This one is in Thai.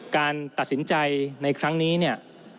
การตัดสินใจในครั้งนี้เนี่ย